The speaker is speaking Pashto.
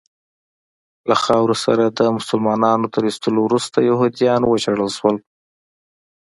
له خاورې د مسلنانو تر ایستلو وروسته یهودیان وشړل شول.